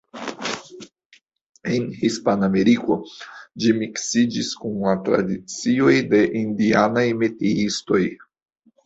En Hispanameriko, ĝi miksiĝis kun la tradicioj de indianaj metiistoj.